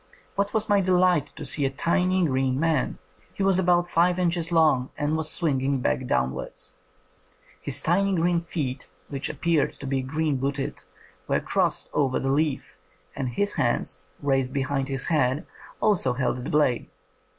What was my delight to see a tiny green man. He was about five inches long, and was swinging back down wards. His tiny green feet, which appeared to be green booted, were crossed over the leaf, and his hands, raised behind his head, also held the blade.